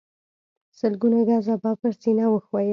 سلګونه ګزه به پر سينه وښويېد.